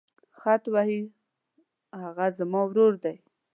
خط وهي هغه زما ورور دی.